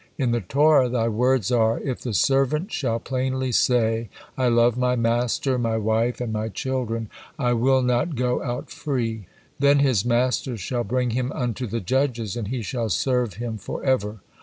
In the Torah Thy words are: 'If the servant shall plainly say, I love my master, my wife, and my children; I will not go out free: then his master shall bring him unto the judges; and he shall serve him for ever.'